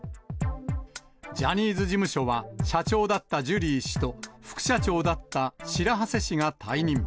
ジャニーズ事務所は社長だったジュリー氏と副社長だった白波瀬氏が退任。